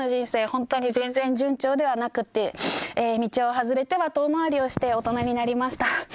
本当に全然順調ではなくって道を外れては遠回りをして大人になりました。